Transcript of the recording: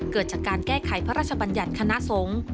เกิดจากการแก้ไขพระราชบัญญัติคณะสงฆ์